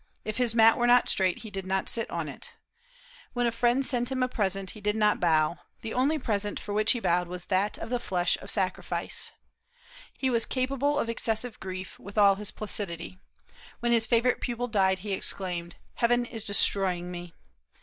If his mat were not straight he did not sit on it. When a friend sent him a present he did not bow; the only present for which he bowed was that of the flesh of sacrifice. He was capable of excessive grief, with all his placidity. When his favorite pupil died, he exclaimed, "Heaven is destroying me!"